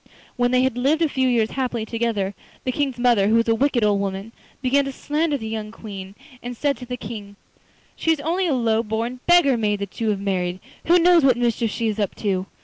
When they had lived a few years happily together, the King's mother, who was a wicked old woman, began to slander the young Queen, and said to the King: 'She is only a low born beggar maid that you have married; who knows what mischief she is up to?